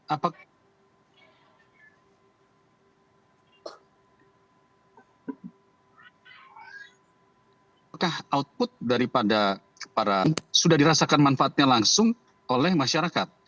apakah output daripada sudah dirasakan manfaatnya langsung oleh masyarakat